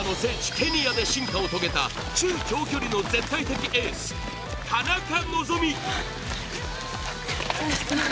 ・ケニアで進化を遂げた中長距離の絶対的エース・田中希実。